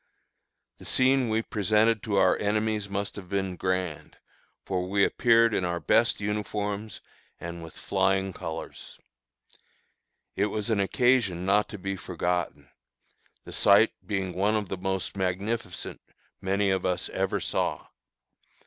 The scene we presented to our enemies must have been grand, for we appeared in our best uniforms and with flying colors. It was an occasion not to be forgotten, the sight being one of the most magnificent many of us ever saw.